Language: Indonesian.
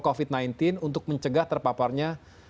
covid sembilan belas untuk mencegah terpaparnya